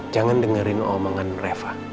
jangan dengerin omongan reva